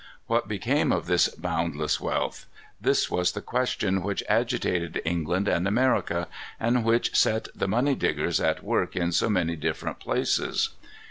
What became of this boundless wealth? This was the question which agitated England and America, and which set the money diggers at work in so many different places.